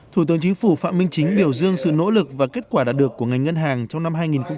thủ tướng chính phủ phạm minh chính biểu dương sự nỗ lực và kết quả đạt được của ngành ngân hàng trong năm hai nghìn hai mươi